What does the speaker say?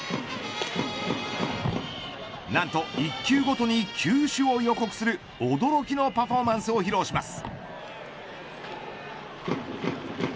何と、１球ごとに球種を予告する驚きのパフォーマンスを披露します。